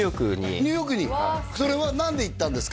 ニューヨークにそれは何で行ったんですか？